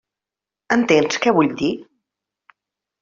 Entens què vull dir?